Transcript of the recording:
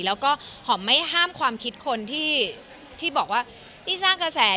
แล้วก็หอมไม่ห้ามความคิดคนที่บอกว่านี่สร้างกระแส